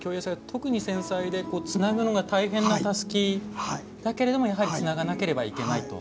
特に繊細で、つなぐのが大変なたすきだけれどもつながなければいけないと。